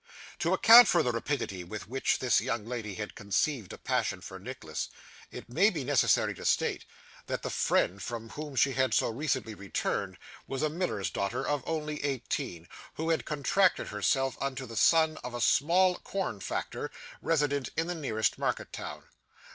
To account for the rapidity with which this young lady had conceived a passion for Nicholas, it may be necessary to state, that the friend from whom she had so recently returned, was a miller's daughter of only eighteen, who had contracted herself unto the son of a small corn factor, resident in the nearest market town.